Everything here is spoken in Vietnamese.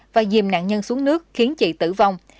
và dìm nạn nhân xuống nước khiến chị tử vong